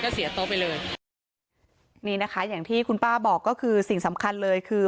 เสียโต๊ะไปเลยนี่นะคะอย่างที่คุณป้าบอกก็คือสิ่งสำคัญเลยคือ